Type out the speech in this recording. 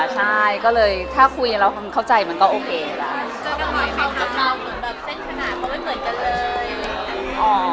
ใช่ก็เลยถ้าคุยแล้วเข้าใจมันก็โอเคแล้ว